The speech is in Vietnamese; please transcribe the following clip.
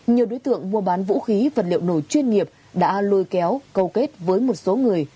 nhiều đối tượng mua bán vũ khí vật liệu nổ chuyên nghiệp đã lôi kéo câu kết với một số người